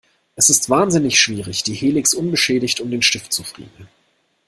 Es ist wahnsinnig schwierig, die Helix unbeschädigt um den Stift zu friemeln.